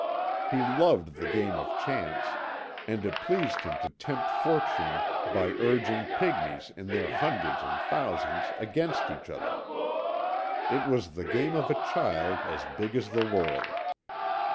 He loved the game of chance, and it pleased him to tempt fortune by urging pigmies in their hundreds and thousands against each other. It was the game of a child as big as the world.